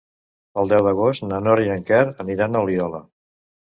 El deu d'agost na Nora i en Quer aniran a Oliola.